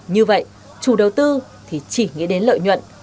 như vậy chủ đầu tư thì chỉ nghĩ đến lợi nhuận